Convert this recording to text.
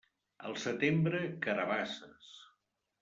Al setembre, carabasses.